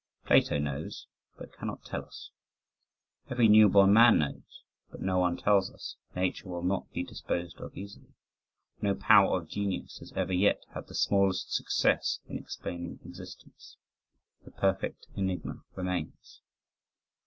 Plato knows but cannot tell us. Every new born man knows, but no one tells us. "Nature will not be disposed of easily. No power of genius has ever yet had the smallest success in explaining existence. The perfect enigma remains."